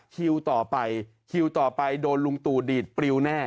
คิวต่อไปคิวต่อไปโดนลุงตู่ดีดปลิวแน่